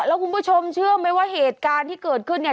แล้วคุณผู้ชมเชื่อไหมว่าเหตุการณ์ที่เกิดขึ้นเนี่ย